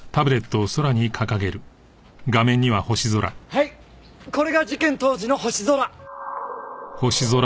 はいこれが事件当時の星空！